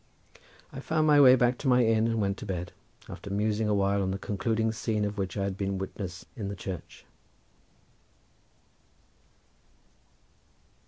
I found my way back to my inn and went to bed after musing awhile on the concluding scene of which I had been witness in the church.